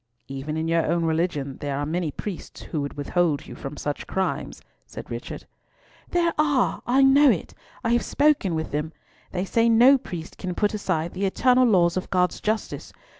"Even in your own religion there are many priests who would withhold you from such crimes," said Richard. "There are! I know it! I have spoken with them. They say no priest can put aside the eternal laws of God's justice.